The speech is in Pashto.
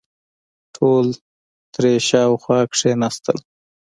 ټول ترې شاوخوا کېناستل.